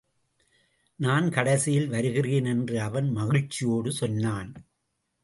நான் கடைசியில் வருகிறேன் என்று அவன் மகிழ்ச்சியோடு சொன்னான்.